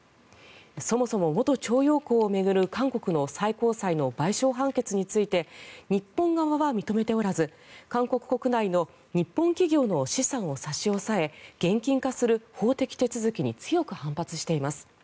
そもそも元徴用工を巡る韓国の最高裁の賠償判決について日本側は認めておらず韓国国内の日本企業の資産を差し押さえ現金化する法的手続きに強く反発しています。